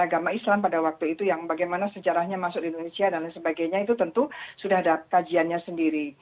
agama islam pada waktu itu yang bagaimana sejarahnya masuk indonesia dan lain sebagainya itu tentu sudah ada kajiannya sendiri